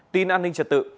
tin an ninh trật tự